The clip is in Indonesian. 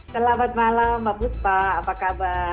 selamat malam mbak buspa apa kabar